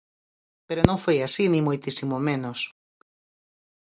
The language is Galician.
Pero non foi así nin moitísimo menos.